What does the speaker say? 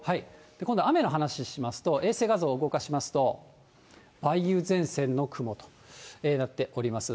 今度、雨の話しますと、衛星画像を動かしますと、梅雨前線の雲となっております。